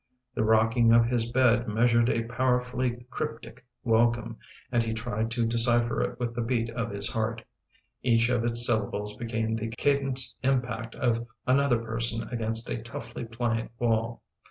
The rocking of his bed meas ured a powerfully cryptic welcome and he tried to de cipher it with the beat of his heart Each of its syllables became the cadenced impact of another person against a toughly pliant wall.